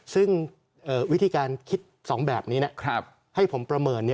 ซึ่งวิธีการคิด๒แบบนี้ให้ผมประเมิน